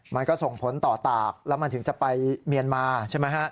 มันก็ส่งผลต่อตากแล้วมันถึงจะไปเมียนมาใช่ไหมฮะ